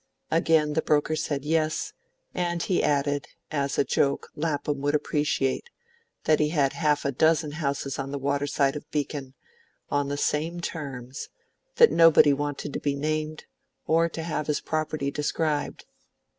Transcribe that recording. Again the broker said yes; and he added, as a joke Lapham would appreciate, that he had half a dozen houses on the water side of Beacon, on the same terms; that nobody wanted to be named or to have his property described.